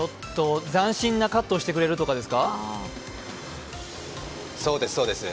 斬新なカットをしてくれるとかですか？